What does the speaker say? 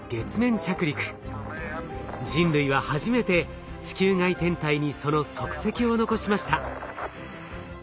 人類は初めて地球外天体にその足跡を残しました。